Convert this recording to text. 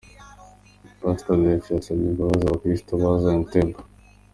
Pastor Delphin yasabye imbabazi abakristo ba Zion Temple.